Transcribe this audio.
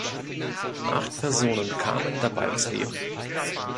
Acht Personen kamen dabei ums Leben.